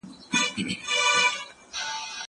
زه له سهاره پوښتنه کوم!!